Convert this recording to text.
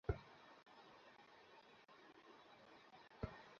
ফলাফলে দেখা যায়, মোট বিদ্যুতের দুই-তৃতীয়াংশই আসে জীবাশ্ম জ্বালানি থেকে।